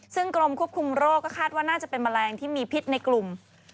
ซึ่งกรมควบคุมโรคก็คาดว่าน่าจะเป็นแมลงที่มีพิษในกลุ่ม